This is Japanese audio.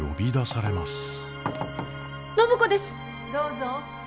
・どうぞ。